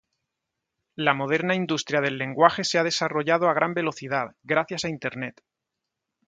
La moderna industria del lenguaje se ha desarrollado a gran velocidad, gracias a internet.